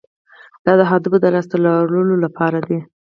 دا د اهدافو د لاسته راوړلو لپاره دی.